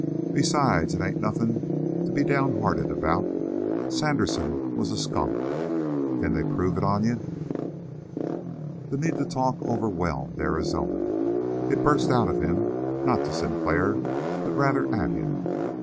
Besides, it ain't nothing to be downhearted about. Sandersen was a skunk. Can they prove it on you?" The need to talk overwhelmed Arizona. It burst out of him, not to Sinclair, but rather at him.